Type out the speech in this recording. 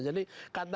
ya dengan konteksnya